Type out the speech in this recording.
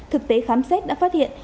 thực tế khám xét đã phát hiện